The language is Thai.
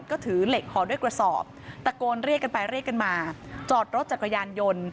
ก็ถือเหล็กห่อด้วยกระสอบตะโกนเรียกกันไปเรียกกันมาจอดรถจักรยานยนต์